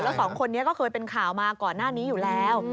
แล้วสองคนนี้ก็เคยเป็นข่าวมาก่อนหน้านี้อยู่แล้ว